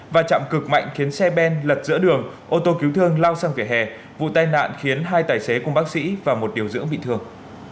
và chạm cực mạnh khiến xe ben lật giữa đường ô tô cứu thương lao sang vỉa hè vụ tai nạn khiến hai tài xế cùng bác sĩ và một điều dưỡng bị thương